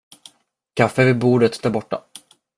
Kaffe vid bordet där borta.